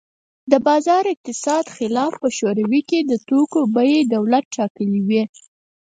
د بازار اقتصاد خلاف په شوروي کې د توکو بیې دولت ټاکلې وې